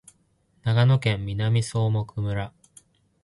長野県南相木村